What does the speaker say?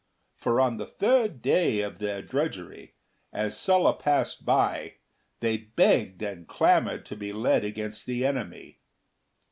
For on the third day of their drudgery, as Sulla passed by, they begged and clamoured to be led against the enemy.